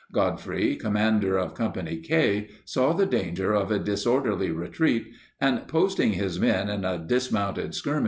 Godfrey, commander of Company K, saw the danger of a disorderly retreat and, posting his men in a dismounted skirmish line, 69 Dr. Henry R.